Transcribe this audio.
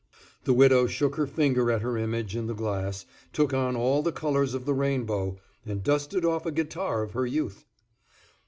The widow shook her finger at her image in the glass, took on all the colors of the rainbow, and dusted off a guitar of her youth.